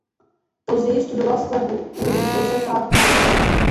Později studoval skladbu u Josepha Marxe.